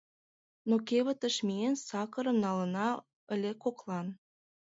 Но, кевытыш миен, сакырым налына ыле коклан...